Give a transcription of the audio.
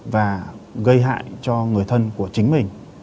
và gây hại cho người thân của chính mình